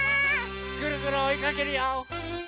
ぐるぐるおいかけるよ！